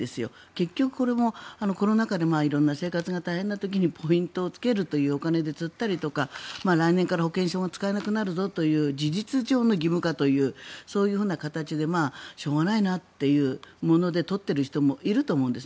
結局、これもコロナ禍で色んな生活が大変な時にポイントをつけるというお金で釣ったりとか来年から保険証が使えなくなるぞという事実上の義務化というそういう形でしょうがないなってもので取っている人もいると思うんです。